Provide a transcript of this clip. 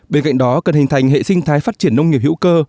bên cạnh đó cần hình thành hệ sinh thái phát triển nông nghiệp hữu cơ